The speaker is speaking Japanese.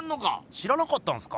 知らなかったんすか？